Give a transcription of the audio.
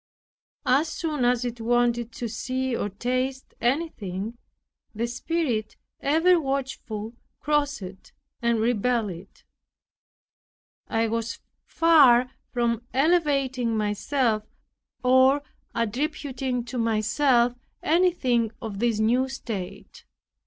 As soon as it wanted to see or taste anything, the Spirit ever watchful crossed and repelled it. I was far from elevating myself, or attributing to myself anything of this new state.